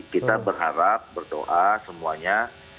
kita berharap berdoa semuanya